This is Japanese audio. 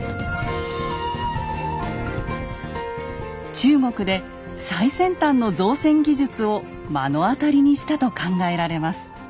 中国で最先端の造船技術を目の当たりにしたと考えられます。